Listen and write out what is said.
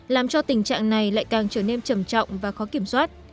làm cho tình trạng này lại càng trở nên trầm trọng và khó kiểm soát